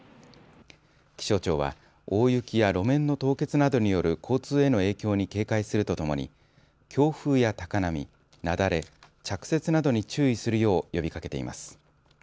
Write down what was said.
気象庁は大雪や路面の凍結などによる交通への影響に警戒するとともに強風や高波、雪崩着雪などに注意するよう呼びかけています。